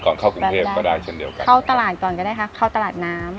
ก่อนเข้ากดกว่าได้ซึ่งเดียวกันเข้าตลาดน้ำก็ได้คะเข้าตลาดน้ำ